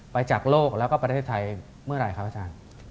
จากโลกแล้วก็ประเทศไทยเมื่อไหร่ครับอาจารย์